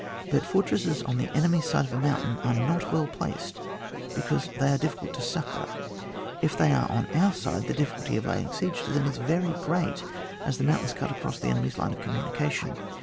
But fortresses on the enemy's side of a mountain are not well placed, because they are difficult to succour. If they are on our side, the difficulty of laying siege to them is very great, as the mountains cut across the enemy's line of communication.